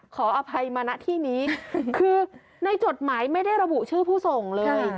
ขออภัยมาณที่นี้คือในจดหมายไม่ได้ระบุชื่อผู้ส่งเลย